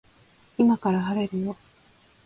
今から晴れるよ